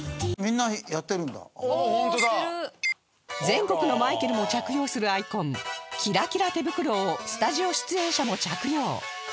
全国のマイケルも着用するアイコンキラキラ手袋をスタジオ出演者も着用